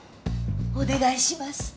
お願いします